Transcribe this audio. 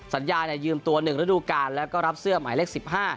สัญญายืมตัว๑ฤดูการแล้วก็รับเสื้อหมายเลข๑๕